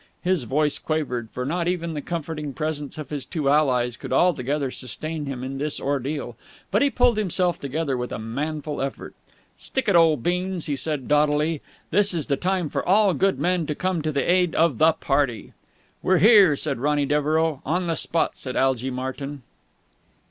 His voice quavered, for not even the comforting presence of his two allies could altogether sustain him in this ordeal. But he pulled himself together with a manful effort. "Stick it, old beans!" he said doughtily. "Now is the time for all good men to come to the aid of the party!" "We're here!" said Ronny Devereux. "On the spot!" said Algy Martyn.